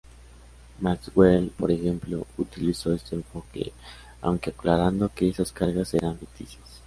Maxwell, por ejemplo, utilizó este enfoque, aunque aclarando que esas cargas eran ficticias.